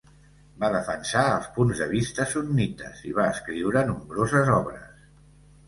Va defensar els punts de vista sunnites i va escriure nombroses obres.